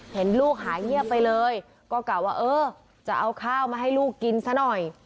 เห็นลูกหายเงียบไปเลยก็กล่าวว่าเออจะเอาข้าวมาให้ลูกกินซะหน่อย